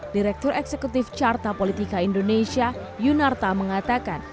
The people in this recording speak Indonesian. direktur eksekutif carta politika indonesia yunarta mengatakan